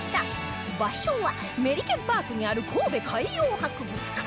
場所はメリケンパークにある神戸海洋博物館